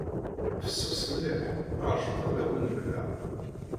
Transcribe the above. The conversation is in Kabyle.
Fessus mliḥ. Ṛjut ad awen-mleɣ.